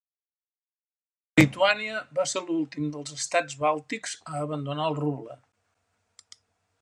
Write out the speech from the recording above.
Lituània va ser l'últim dels estats bàltics a abandonar el ruble.